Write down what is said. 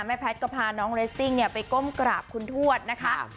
แม่แพทก็พาน้องเรสซิ่งเนี่ยไปก้มกราบคุณทวดนะคะ